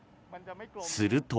すると。